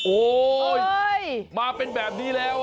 โอ๊ยมาเป็นแบบนี้แล้ว